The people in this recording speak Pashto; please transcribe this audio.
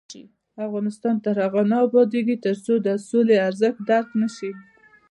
افغانستان تر هغو نه ابادیږي، ترڅو د سولې ارزښت درک نشي.